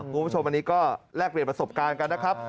คุณผู้ชมอันนี้ก็แลกเปลี่ยนประสบการณ์กันนะครับ